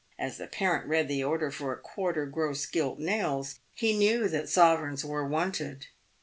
As the parent read the order for "^ gross gilt nails," he knew that sove reigns were wanted.